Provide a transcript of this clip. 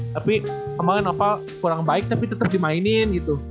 tapi kemarin noval kurang baik tapi tetep dimainin gitu